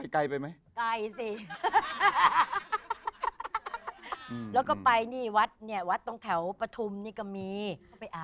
ก็ข้าวแถวปธุมนี่ก็มี